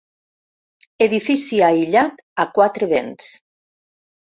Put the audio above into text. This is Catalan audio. Edifici aïllat, a quatre vents.